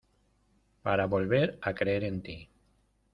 para volver a creer en ti.